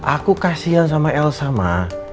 aku kasian sama elsa ma